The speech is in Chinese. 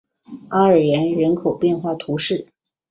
阿尔然人口变化图示